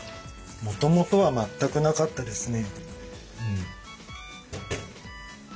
もともとは全くなかったですね。